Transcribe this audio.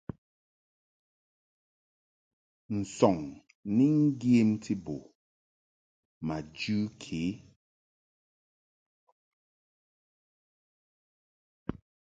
Nsɔŋ ni ŋgyemti bo ma jɨ ke.